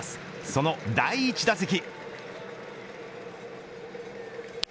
その第１打席。